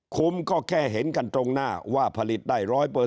ก็แค่เห็นกันตรงหน้าว่าผลิตได้๑๐๐